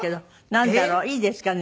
なんだろう？いいですかね